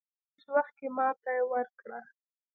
په ډېر لږ وخت کې ماته ورکړه.